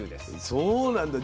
そうなんだ。